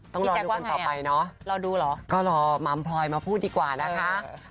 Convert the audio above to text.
พี่แซกว่าไงอ่ะรอดูหรอก็รอมามพลอยมาพูดดีกว่านะคะ